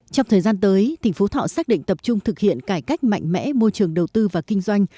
trong thời gian tới tỉnh phú thọ xác định tập trung thực hiện cải cách mạnh mẽ môi trường đầu tư và kinh doanh